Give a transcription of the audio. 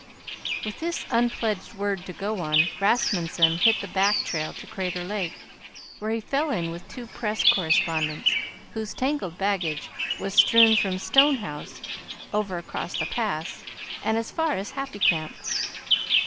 With this unpledged word to go on, Rasmunsen hit the back trail to Crater Lake, where he fell in with two press correspondents whose tangled baggage was strewn from Stone House, over across the Pass, and as far as Happy Camp.